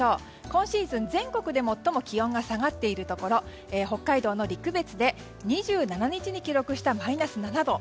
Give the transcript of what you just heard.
今シーズン全国で最も気温が下がっているところ北海道の陸別で２７日に記録したマイナス７度。